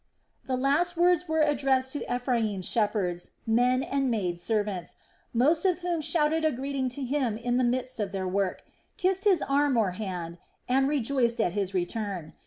The last words were addressed to Ephraim's shepherds, men and maid servants, most of whom shouted a greeting to him in the midst of their work, kissed his arm or hand, and rejoiced at his return.